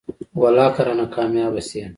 والله که رانه کاميابه شې.